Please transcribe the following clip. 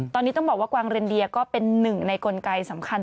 ตอนนี้ต้องบอกว่ากวางเรนเดียก็เป็นหนึ่งในกลไกสำคัญ